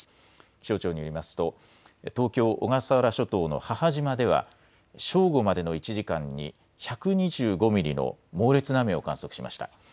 気象庁によりますと東京小笠原諸島の母島では正午までの１時間に１２５ミリの猛烈な雨を観測しました。